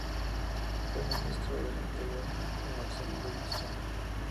Fue Ministro del Interior de Marcelo Levingston.